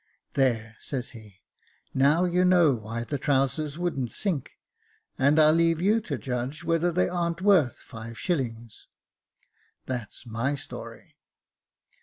' There,' says he, ' now you knows why the trousers wouldn't sink, and I'll leave you to judge whether they ar'n't worth five shillings.' That's my story."